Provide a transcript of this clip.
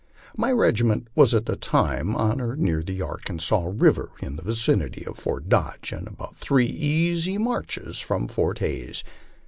My regiment was at that time on or near the Arkansas river in the vicinity of Fort Dodge, and about three easy marches from Fort Plays.